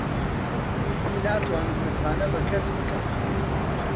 ئیدی ناتوانم متمانە بە کەس بکەم.